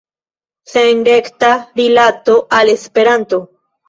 Sen rekta rilato al Esperanto.